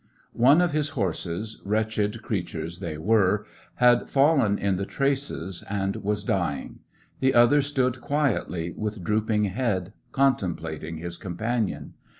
One of his horses— wretched creatures they were— had fallen in the traces and was dying ; the other stood quietly, with drooping head, contemplating his companion.